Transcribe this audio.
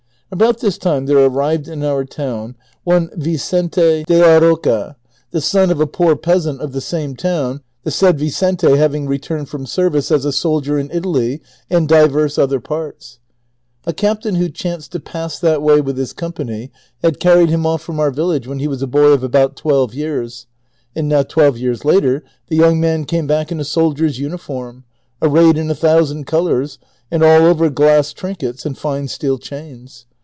About this time tiiere arrived in our town one Vicente de la Roca, the son of a po<n peasant of the same town, the said Vicente having returned from service as a soldier in Italy and divers other parts. A captain who chanced to pass that way with his company had carried liim off from our village when he was a boy of about twelve years, and now twelve }'ears later the young man came back in a soldier's uniform, arrayed in a thousand colors, and all over glass trinkets and line steel chains.